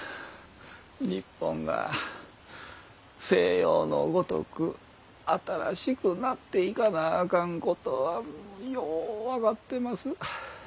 日本が西洋のごとく新しくなっていかなあかんことはよう分かってます。